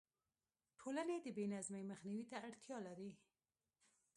ټولنې د بې نظمۍ مخنیوي ته اړتیا لري.